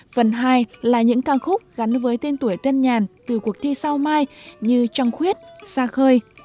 phần hai là những ca khúc gắn với tên tuổi tân nhàn từ cuộc thi sao mai như trong khuyết sa khơi